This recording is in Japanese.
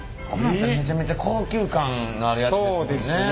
めちゃめちゃ高級感あるやつですもんね。